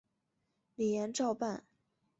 李俨照办。